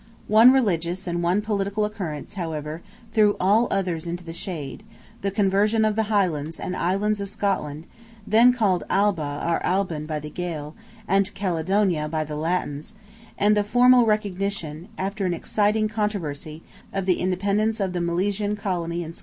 One religious and one political occurrence, however, threw all others into the shade—the conversion of the Highlands and Islands of Scotland (then called Alba or Albyn by the Gael, and Caledonia by the Latins), and the formal recognition, after an exciting controversy, of the independence of the Milesian colony in Scotland.